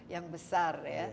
yang besar ya